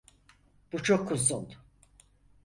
Bu çok uzun.